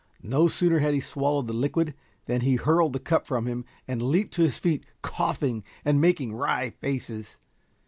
No sooner had he swallowed the liquid than he hurled the cup from him and leaped to his feet coughing and making wry faces.